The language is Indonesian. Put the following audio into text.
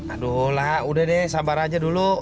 aduh lah udah deh sabar aja dulu